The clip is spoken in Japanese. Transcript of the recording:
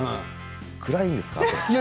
暗いんですか？